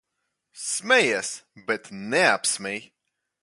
Smejies, bet neapsmej.